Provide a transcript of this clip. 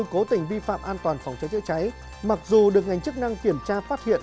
cố tình vi phạm an toàn phòng cháy chữa cháy mặc dù được ngành chức năng kiểm tra phát hiện